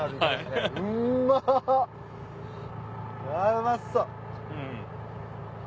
うまそっ！